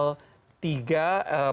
yang menunggu di terminal tiga